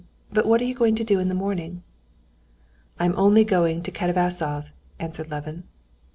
But what are you going to do in the morning?" "I am only going to Katavasov," answered Levin.